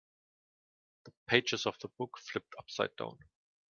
The pages of the book flipped upside down.